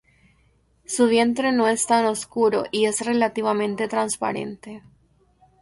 Su vientre no es tan oscuro y es relativamente transparente.